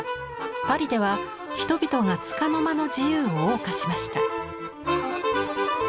パリでは人々がつかの間の自由をおう歌しました。